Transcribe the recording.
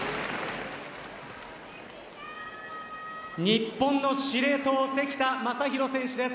日本の司令塔・関田誠大選手です。